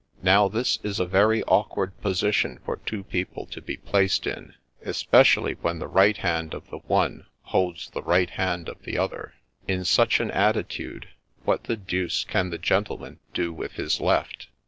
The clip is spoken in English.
Now this is a very awkward position for two people to be placed in, especially when the right hand of the one holds the right hand of the other :— in such an attitude, what the deuce can the gentleman do with his left